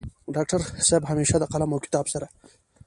ډاکټر صيب همېشه د قلم او کتاب سره